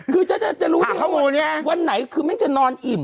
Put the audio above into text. คือฉันจะรู้ว่าวันไหนมันจะนอนอิ่ม